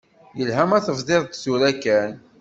Yelha ma tebdiḍ tura kan.